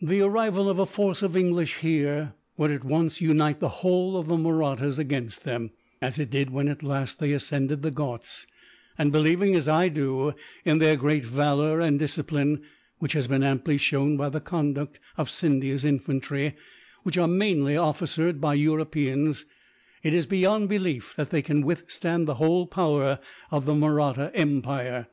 "The arrival of a force of English, here, would at once unite the whole of the Mahrattas against them, as it did when last they ascended the Ghauts; and believing as I do in their great valour and discipline, which has been amply shown by the conduct of Scindia's infantry, which are mainly officered by Europeans, it is beyond belief that they can withstand the whole power of the Mahratta empire.